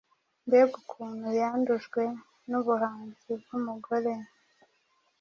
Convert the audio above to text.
mbega ukuntu yandujwe nubuhanzi bwumugore,